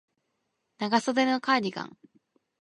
長袖のカーディガン